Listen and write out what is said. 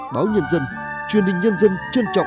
báo nhân dân truyền hình nhân dân trân trọng